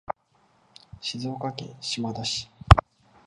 静岡県島田市